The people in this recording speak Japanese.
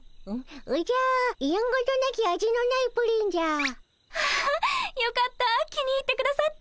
おじゃやんごとなき味のないプリンじゃ。わよかった気に入ってくださって。